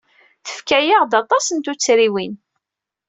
Tefka-aɣ-d aṭas n tuttriwin.